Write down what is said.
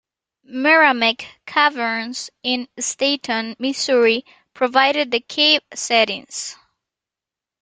Meramec Caverns in Stanton, Missouri provided the cave settings.